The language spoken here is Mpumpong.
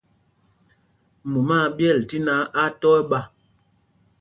Mumá a ɓyɛl tí náǎ, á á tɔ ɛɓá.